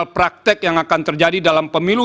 kemungkinan praktik yang akan terjadi dalam pemilu